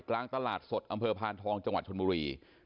กลางตลาดสดอำเภอพานทองจังหวัดชนบุรี